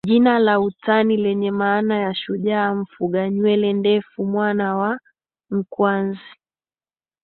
Jina la utani lenye maana ya shujaa mfuga nywele ndefu mwana wa Nkwanzi